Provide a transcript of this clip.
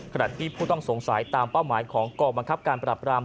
ขณะที่ผู้ต้องสงสัยตามเป้าหมายของกองบังคับการปรับราม